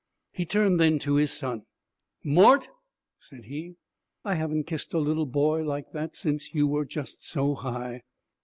He turned then to his son. 'Mort,' said he, 'I haven't kissed a little boy like that since you were just so high.'